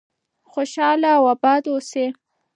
خوشحاله او آباد اوسئ.